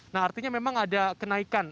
nah artinya memang ada kenaikan